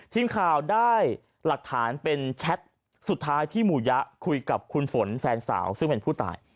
ทีมข่าวได้หลักฐานเป็นแชทสุดท้ายที่หมู่ยะคุยกับคุณฝนแฟนสาวซึ่งเป็นผู้ตาย